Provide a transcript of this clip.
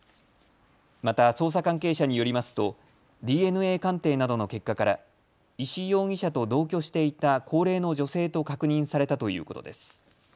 また捜査関係者によりますとＤＮＡ鑑定などの結果から石井容疑者と同居していた高齢の女性と確認されたということです。